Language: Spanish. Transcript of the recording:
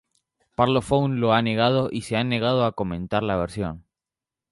Parlophone lo ha negado y se han negado a comentar la versión.